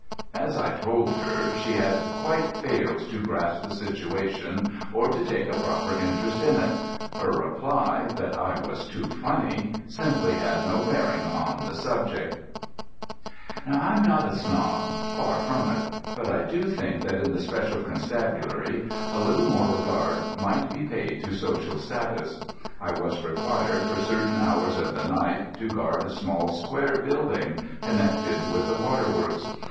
As I told her, she had quite failed to grasp the situation or to take a proper interest in it. Her reply, that I was too funny, simply had no bearing on the subject. I am not a snob. Far from it. But I do think that in the special constabulary a little more regard might be paid to social status. I was required for certain hours of the night to guard a small square building connected with the waterworks.